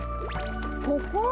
ここ？